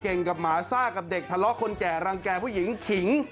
กับหมาซ่ากับเด็กทะเลาะคนแก่รังแก่ผู้หญิงขิง